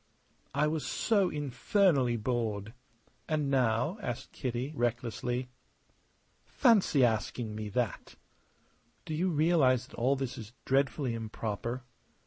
"I was so infernally bored!" "And now?" asked Kitty, recklessly. "Fancy asking me that!" "Do you realize that all this is dreadfully improper?"